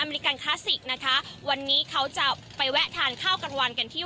ลิกันคลาสสิกนะคะวันนี้เขาจะไปแวะทานข้าวกลางวันกันที่